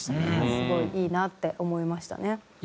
すごいいいなって思いましたね。